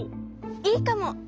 いいかも！